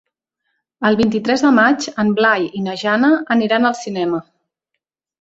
El vint-i-tres de maig en Blai i na Jana aniran al cinema.